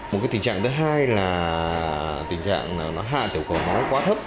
một cái tình trạng thứ hai là tình trạng nó hạ tiểu cỏ máu quá thấp